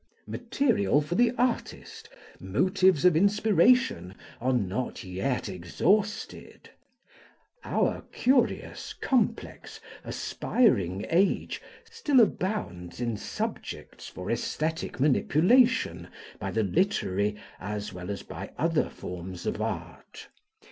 Material for the artist, motives of inspiration, are not yet exhausted: our curious, complex, aspiring age still abounds in subjects for aesthetic manipulation by the literary as well as by other forms of art.